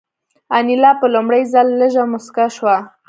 انیلا په لومړي ځل لږه موسکه شوه